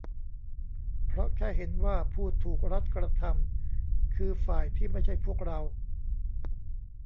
เพราะแค่เห็นว่าผู้ถูกรัฐกระทำคือฝ่ายที่ไม่ใช่พวกเรา